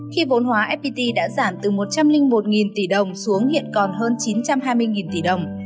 khi vốn hóa fpt đã giảm từ một trăm linh một tỷ đồng xuống hiện còn hơn chín trăm hai mươi tỷ đồng